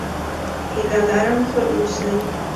هيله لرم ښه اوسې!